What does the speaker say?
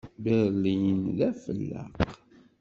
Berlin d afelleq.